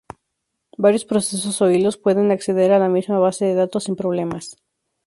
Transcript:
Varios procesos o hilos pueden acceder a la misma base de datos sin problemas.